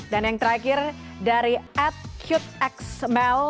dan yang terakhir dari ad cute x mel